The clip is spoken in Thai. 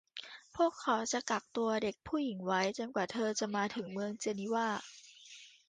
พวกเขาจะกักตัวเด็กผู้หญิงไว้ จนกว่าเธอจะมาถึงเมืองเจนีวา